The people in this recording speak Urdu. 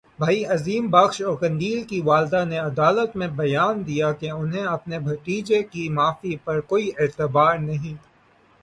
بھائی عظیم بخش اور قندیل کی والدہ نے عدالت میں بیان دیا کہ انہیں اپنے بھتیجے کی معافی پر کوئی اعتبار نہیں